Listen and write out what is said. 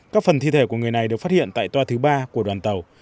các phần thi thể của người này được phát hiện tại toa thứ ba của đoàn tàu